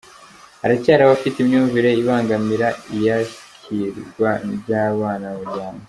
Haracyari abafite imyumvire ibangamira iyakirwa ry’abana mu miryango